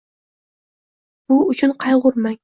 bu uchun qayg‘urmang.